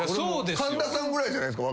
神田さんぐらいじゃないですか？